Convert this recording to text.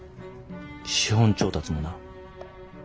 資本調達もな。